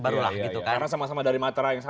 baru lah karena sama sama dari matra yang sama